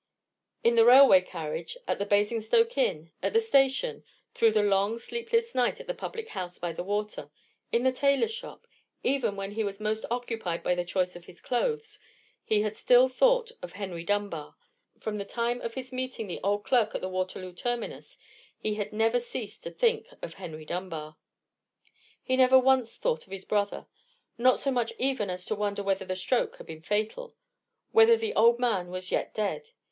In the railway carriage, at the Basingstoke inn, at the station, through the long sleepless night at the public house by the water, in the tailor's shop, even when he was most occupied by the choice of his clothes, he had still thought of Henry Dunbar. From the time of his meeting the old clerk at the Waterloo terminus, he had never ceased to think of Henry Dunbar. He never once thought of his brother: not so much even as to wonder whether the stroke had been fatal,—whether the old man was yet dead.